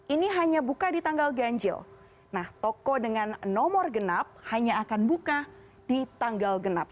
ini hanya buka di tanggal ganjil nah toko dengan nomor genap hanya akan buka di tanggal genap